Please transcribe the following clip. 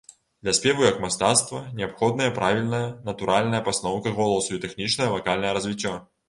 Для спеву як мастацтва, неабходныя правільная, натуральная пастаноўка голасу і тэхнічнае вакальнае развіццё.